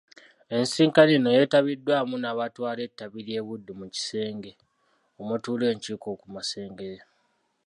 Ensisinkano eno yeetabiddwamu n'abatwala ettabi ly'e Buddu mu kisenge omutuula enkiiko ku Masengere.